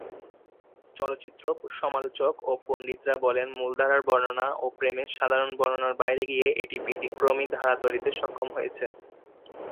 চলচ্চিত্র সমালোচক ও পণ্ডিতরা বলেন, মূলধারার বর্ণনা ও প্রেমের সাধারণ বর্ণনার বাইরে গিয়ে এটি ব্যতিক্রমী ধারা তৈরিতে সক্ষম হয়েছে।